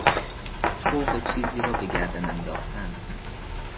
طوق چیزی را بگردن انداختن